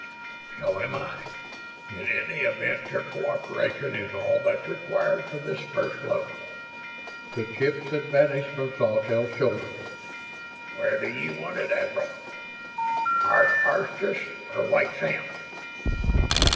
"So am I. In any event, your cooperation is all that's required for this first load." The chips had vanished from Sawtelle's shoulders. "Where do you want it, Admiral? Aristarchus or White Sands?"